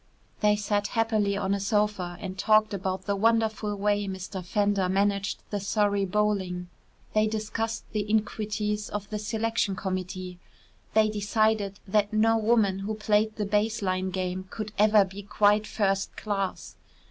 They sat happily on a sofa and talked about the wonderful way Mr. Fender managed the Surrey bowling; they discussed the iniquities of the Selection Committee; they decided that no woman who played the base line game could ever be quite first class.